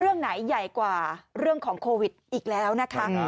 เรื่องไหนใหญ่กว่าเรื่องของโควิดอีกแล้วนะคะ